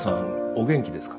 お元気ですか？